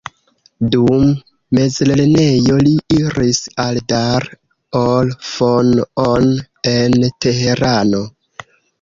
Dum mezlernejo li iris al Dar ol-Fonoon en Teherano.